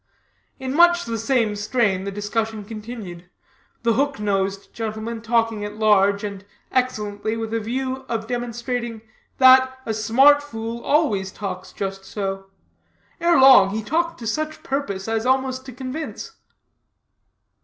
In much the same strain the discussion continued the hook nosed gentleman talking at large and excellently, with a view of demonstrating that a smart fool always talks just so. Ere long he talked to such purpose as almost to convince.